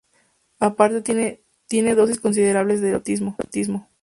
Aparte tienen dosis considerables de erotismo.